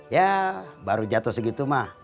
ya baru jatuh segitu mah